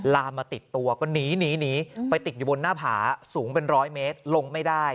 ลามมาติดตัวก็หนีหนีไปติดอยู่บนหน้าผาสูงเป็นร้อยเมตรลงไม่ได้